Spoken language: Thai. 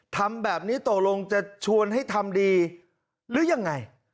ทำแบบนี้ตกลงจะชวนให้ทำดีหรือยังไง